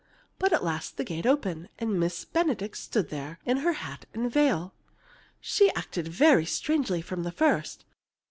But at last the gate opened, and Miss Benedict stood there in her hat and veil. "She acted very strangely from the first.